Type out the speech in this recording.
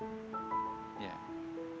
jadi anak anak spiritual kita